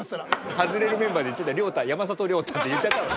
外れるメンバーで言っちゃった山里亮太って言っちゃった。